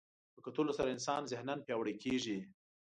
په کتلو سره انسان ذهناً پیاوړی کېږي